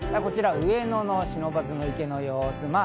こちら上野の不忍池の様子。